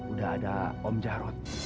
udah ada om jahrod